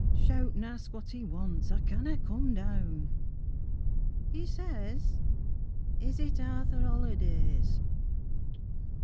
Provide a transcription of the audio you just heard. Shout an' ax what 'e wants, I canna come down. 'E says "Is it Arthur Holliday's?"